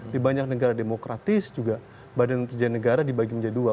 di banyak negara demokratis juga badan intelijen negara dibagi menjadi dua